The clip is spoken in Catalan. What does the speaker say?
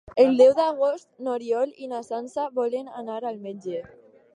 El deu d'agost n'Oriol i na Sança volen anar al metge.